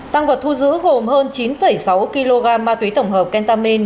tăng vật thu giữ gồm hơn chín sáu kg ma túy tổng hợp kentamin